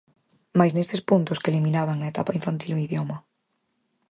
Máis nestes puntos que eliminaban na etapa infantil o idioma.